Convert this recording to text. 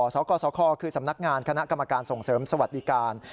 สกสคคือสำนักงานคณะกรรมการส่งเสริมสวัสดิการ